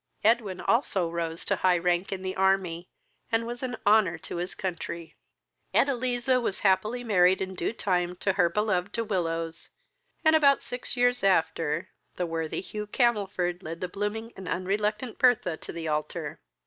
Edwin also rose to high rank in the army, and was an honour to his country. Edeliza was happily married in due time to her beloved De Willows, and, about six years after, the worthy Hugh Camelford led the blooming and unreluctant Bertha to the altar.